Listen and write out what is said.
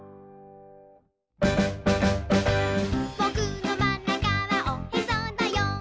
「ぼくのまんなかはおへそだよ」